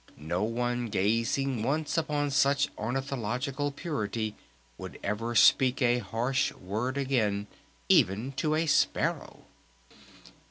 No one gazing once upon such ornithological purity would ever speak a harsh word again, even to a sparrow!